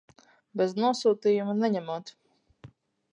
Bez nosūtījuma neņemot.